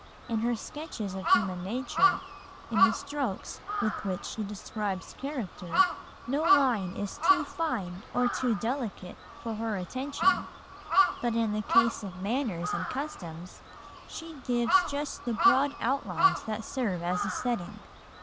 In her sketches of human nature, in the strokes with which she describes character, no line is too fine or too delicate for her attention; but in the case of manners and customs she gives just the broad outlines that serve as a setting.